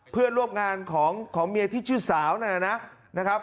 เพื่อนร่วมงานของเมียที่ชื่อสาวนะครับ